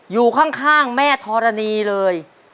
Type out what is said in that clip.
อยู่ข้างแม่ธรณีเลย